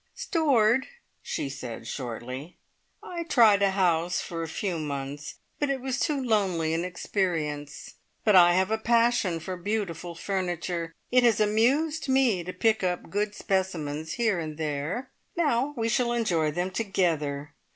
"Stored," she said shortly. "I tried a house for a few months, but it was too lonely an experience. But I have a passion for beautiful furniture. It has amused me to pick up good specimens here and there. Now we shall enjoy them together!